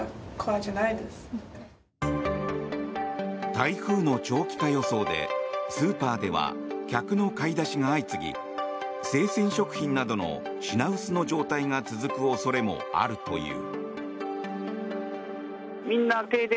台風の長期化予想でスーパーでは客の買い出しが相次ぎ生鮮食品などの品薄の状態が続く恐れもあるという。